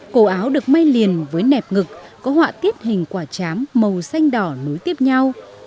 cổ áo được may liền với nẹp ngực có họa tiết hình quả chám màu xanh đỏ nối tiếp nhau